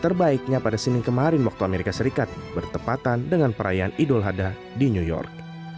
terbaiknya pada senin kemarin waktu amerika serikat bertepatan dengan perayaan idul hada di new york